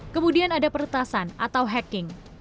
kemudian ada peretasan atau hacking